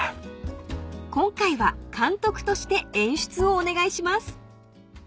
［今回は監督として演出をお願いします］